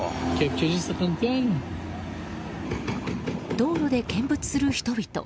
道路で見物する人々。